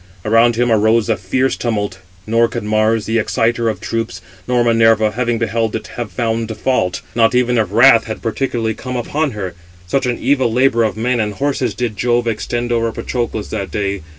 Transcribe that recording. Around him arose a fierce tumult; nor could Mars, the exciter of troops, nor Minerva, having beheld it, have found fault, not even if wrath had particularly come upon her; such an evil labour of men and horses did Jove extend over Patroclus on that day.